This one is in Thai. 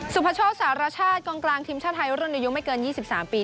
สุภาโชษสารชาติกลางทีมชาติไทยร่วมในยุคไม่เกิน๒๓ปี